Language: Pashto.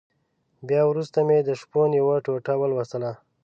بيا وروسته مې د شپون يوه ټوټه ولوستله.